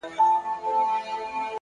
پوهه تیاره شکونه له منځه وړي!